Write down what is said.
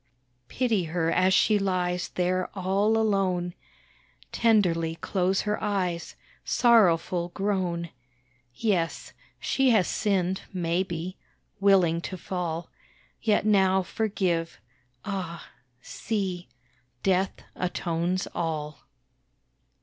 Pity her as she lies There all alone; Tenderly close her eyes, Sorrowful grown. Yes; she has sinned maybe, Willing to fall, Yet now forgive ... ah! see, Death atones all.